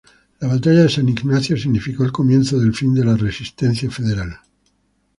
La batalla de San Ignacio significó el comienzo del fin de la resistencia federal.